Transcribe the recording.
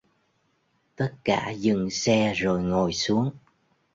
Tất cả dựng xe rồi ngồi xuống